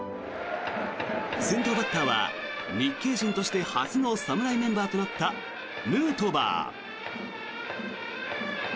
先頭バッターは日系人として初の侍メンバーとなったヌートバー。